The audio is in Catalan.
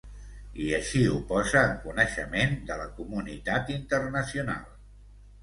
I així ho posa en coneixement de la comunitat internacional.